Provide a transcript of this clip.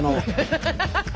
ハハハハハ！